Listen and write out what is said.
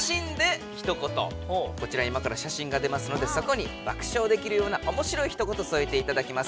こちら今から写真が出ますのでそこに爆笑できるようなおもしろいひと言そえていただきます。